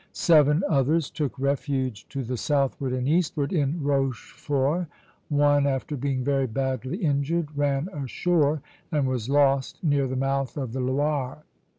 Seven others took refuge to the southward and eastward in Rochefort. One, after being very badly injured, ran ashore and was lost near the mouth of the Loire.